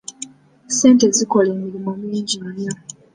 Ssente zikola emirimu mingi nnyo.